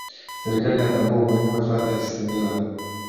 serikali inatambua umuhimu wa hifadhi ya isimila